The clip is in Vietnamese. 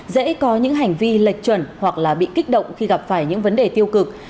dễ có những hành vi lệch chuẩn hoặc là bị kích động khi gặp phải những vấn đề tiêu cực